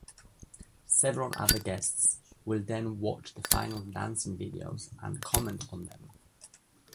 Several other guests will then watch the final dancing videos and comment on them.